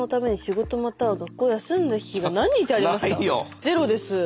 ゼロです。